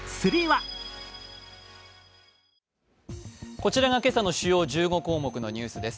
こちらが今朝の主要１５項目のニュースです。